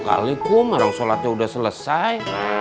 kalikum orang sholatnya udah selesai